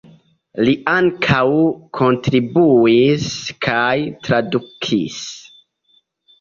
Li ankaŭ kontribuis kaj tradukis.